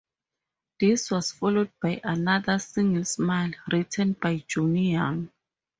This was followed by another single "Smile", written by Johnny Young.